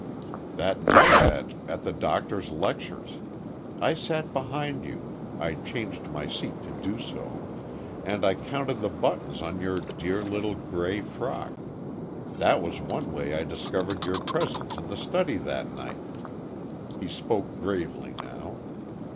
"That night at—at the Doctor's lectures. I sat behind you, I changed my seat to do so—and I counted the buttons on your dear little gray frock—that was one way I discovered your presence in the study that night." He spoke gravely now.